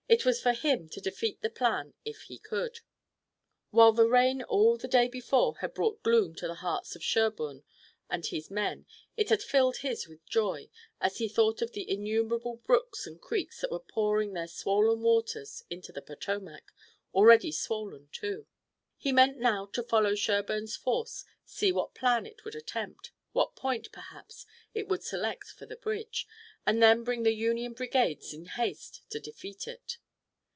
It was for him to defeat the plan if he could. While the rain all the day before had brought gloom to the hearts of Sherburne and his men it had filled his with joy, as he thought of the innumerable brooks and creeks that were pouring their swollen waters into the Potomac, already swollen too. He meant now to follow Sherburne's force, see what plan it would attempt, what point, perhaps, it would select for the bridge, and then bring the Union brigades in haste to defeat it.